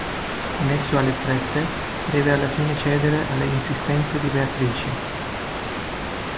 Messo alle strette, deve alla fine cedere alle insistenze di Beatrice.